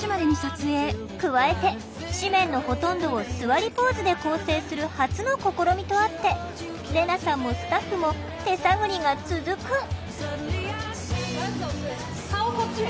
加えて誌面のほとんどをすわりポーズで構成する初の試みとあってレナさんもスタッフも手探りが続く。